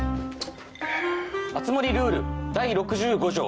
熱護ルール第６５条